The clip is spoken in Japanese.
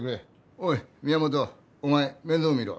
おい宮本お前面倒見ろ。